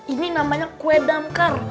ini namanya kue damkar